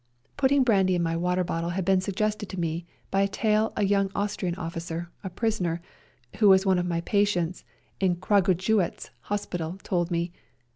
Putting brandy in my water bottle had been suggested to me by a tale a young Austrian officer, a prisoner, who was one of my patients in Kragujewatz hospital, told me.